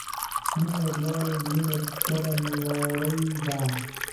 • مینه د دواړو زړونو ګډه نړۍ ده.